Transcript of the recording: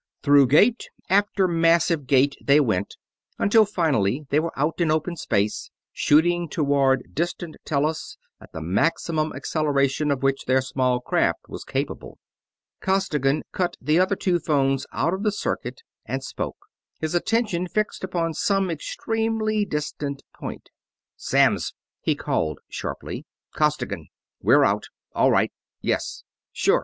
Through gate after massive gate they went, until finally they were out in open space, shooting toward distant Tellus at the maximum acceleration of which their small craft was capable. Costigan cut the other two phones out of circuit and spoke, his attention fixed upon some extremely distant point. "Samms!" he called sharply. "Costigan. We're out ... all right ... yes ... sure